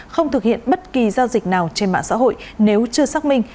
không thực hiện bất kỳ giao dịch nào trên mạng xã hội nếu chưa xác minh